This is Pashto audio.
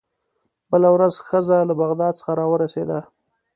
بله ورځ ښځه له بغداد څخه راورسېده.